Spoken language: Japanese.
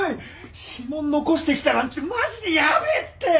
指紋残してきたなんてマジでヤベえって！